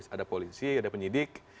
ada polisi ada penyidik